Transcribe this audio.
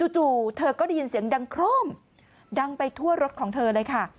จู่เธอก็ได้ยินเสียงดังโครมดังไปทั่วรถของเธอเลยค่ะ